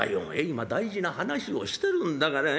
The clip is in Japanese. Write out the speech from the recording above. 今大事な話をしてるんだから」。